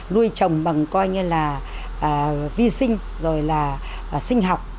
nuôi trồng bằng coi như là vi sinh rồi là sinh học